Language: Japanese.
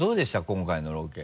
今回のロケ。